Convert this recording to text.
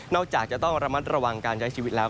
จากจะต้องระมัดระวังการใช้ชีวิตแล้ว